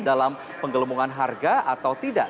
dalam penggelembungan harga atau tidak